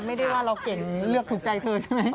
ไม่ได้ว่าเราเก่งเลือกถูกใจเธอใช่ไหม